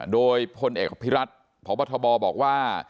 โดยพลเอกอภิรัตน์พบทบบอกว่า